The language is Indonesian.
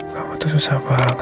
kamu tuh susah banget